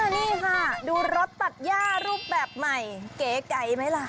นี่ค่ะดูรถตัดย่ารูปแบบใหม่เก๋ไก่ไหมล่ะ